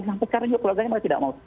sampai sekarang juga keluarganya tidak mau